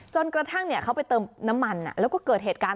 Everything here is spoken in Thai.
กระทั่งเขาไปเติมน้ำมันแล้วก็เกิดเหตุการณ์